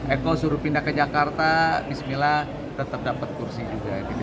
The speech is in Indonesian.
eko suruh pindah ke jakarta bismillah tetap dapat kursi juga